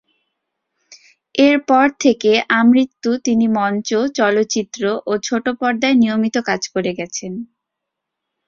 এর পর থেকে আমৃত্যু তিনি মঞ্চ, চলচ্চিত্র ও ছোটপর্দায় নিয়মিত কাজ করে গেছেন।